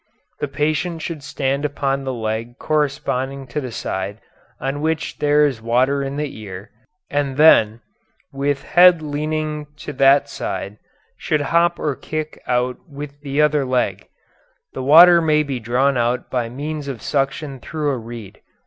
The patient should stand upon the leg corresponding to the side on which there is water in his ear, and then, with head leaning to that side, should hop or kick out with the other leg. The water may be drawn out by means of suction through a reed.